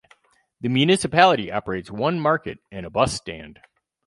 The municipality operates one market and a bus stand.